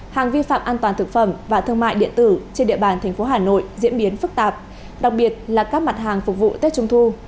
hàng vi phạm an toàn thực phẩm và thương mại điện tử trên địa bàn tp hà nội diễn biến phức tạp đặc biệt là các mặt hàng phục vụ tết trung thu